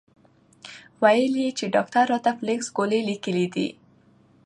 وې ئې چې ډاکټر راته فلکس ګولۍ ليکلي دي -